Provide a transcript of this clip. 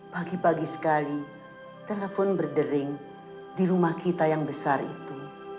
pagi pagi sekali telepon berdering di rumah kita yang besar itu